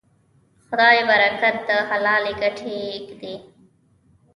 خدای برکت د حلالې ګټې کې ږدي.